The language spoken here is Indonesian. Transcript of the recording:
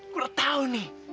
gue udah tau nih